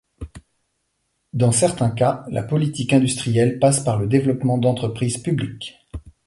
Dans certains cas, la politique industrielle passe par le développement d'entreprises publiques.